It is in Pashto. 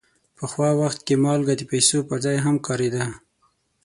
پخوا وخت کې مالګه د پیسو پر ځای هم کارېده.